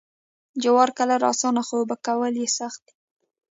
جوار کرل اسانه خو اوبه کول یې سخت دي.